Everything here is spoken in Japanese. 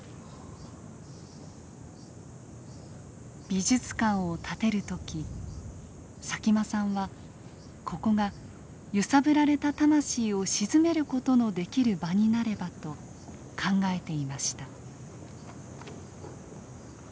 美術館を建てる時佐喜眞さんはここが揺さぶられた魂を鎮める事のできる場になればと考えていました。